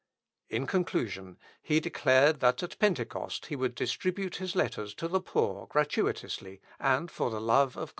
In conclusion, he declared that at Pentecost he would distribute his letters to the poor gratuitously, and for the love of God.